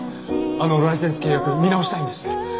あのライセンス契約を見直したいんです。